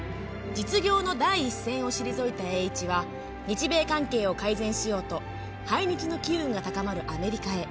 実業の第一線を退いた栄一は日米関係を改善しようと排日の機運が高まるアメリカへ。